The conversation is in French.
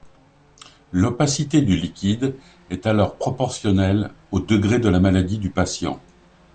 L'opacité du liquide est alors proportionnelle au degré de la maladie du patient.